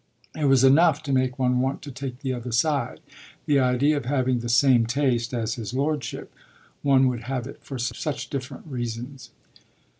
It was enough to make one want to take the other side, the idea of having the same taste as his lordship: one would have it for such different reasons.